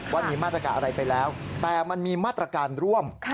ว่ามีมาตรการอะไรไปแล้วแต่มันมีมาตรการร่วม